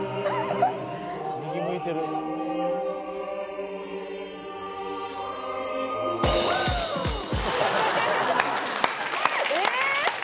右向いてる。え！？